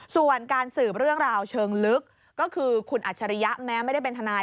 ส่วนการสืบเรื่องราวเชิงลึกก็คือคุณอัจฉริยะแม้ไม่ได้เป็นทนาย